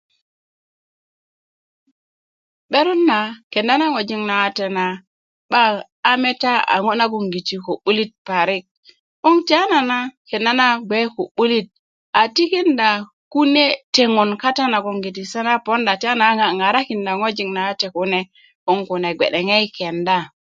'beron na kenda na ŋojik na wate na a meta a ŋo nagogiti ko 'bulit parik 'boŋ tiyanana kenda na gbe ko 'bulit a tikinda kune teŋön kata nagogiti ŋarakinda ŋojik na wate kune 'boŋ kune gbe'deŋe yi kenda